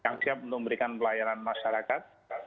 yang siap untuk memberikan pelayanan masyarakat